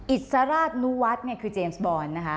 อิสราชนุวัฒน์คือเจมส์บอลนะคะ